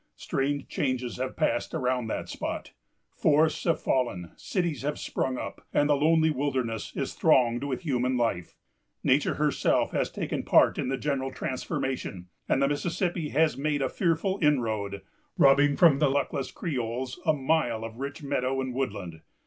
Strange changes have passed around that spot. Forests have fallen, cities have sprung up, and the lonely wilderness is thronged with human life. Nature herself has taken part in the general transformation; and the Mississippi has made a fearful inroad, robbing from the luckless Creoles a mile of rich meadow and woodland.